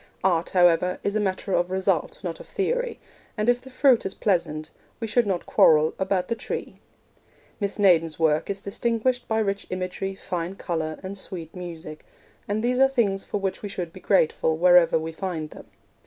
Art, however, is a matter of result, not of theory, and if the fruit is pleasant, we should not quarrel about the tree. Miss Naden's work is distinguished by rich imagery, fine colour, and sweet music, and these are things for which we should be grateful, wherever we find them.